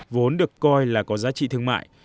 vốn được coi là có giá trị thương mại